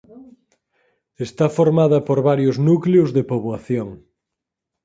Está formada por varios núcleos de poboación.